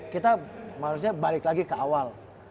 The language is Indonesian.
kita harusnya balik lagi ke awal